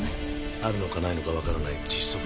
あるのかないのかわからない窒息の所見が？